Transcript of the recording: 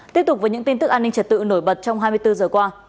tiếp tục với những tin tức an ninh trật tự nổi bật trong hai mươi bốn giờ qua